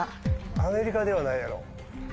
アメリカではないやろ。